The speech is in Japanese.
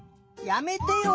やめてよ！